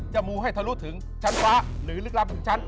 จะหมู่ให้เธอรู้ถึงชั้นฟ้าหรือลึกลำขึ้นชั้น